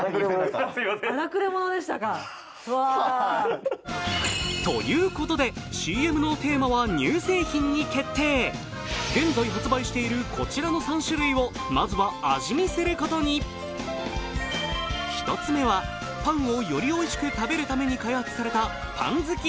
すいませんということで現在発売しているこちらの３種類をまずは味見することに一つ目はパンをよりおいしく食べるために開発された「パン好き」